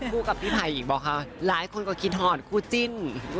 คู่กับพี่ไผ่อีกป่ะคะหลายคนก็คิดหอดคู่จิ้น